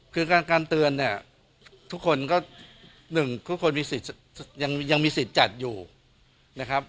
คือการเตือนเนี่ยทุกคนก็หนึ่งทุกคนมีสิทธิ์ยังมีสิทธิ์จัดอยู่นะครับ